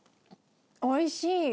おいしい。